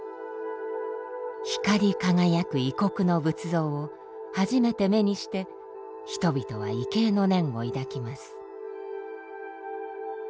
光り輝く異国の仏像を初めて目にして人々は畏敬の念を抱きます。